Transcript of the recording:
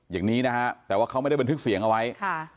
อย่างนี้นะฮะแต่ว่าเขาไม่ได้บันทึกเสียงเอาไว้ค่ะ